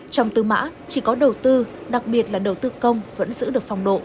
trong tư mã chỉ có đầu tư đặc biệt là đầu tư công vẫn giữ được phong độ